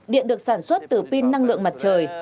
điện được sản xuất từ pin năng lượng mặt trời